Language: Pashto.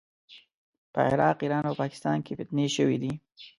په عراق، ایران او پاکستان کې فتنې شوې دي.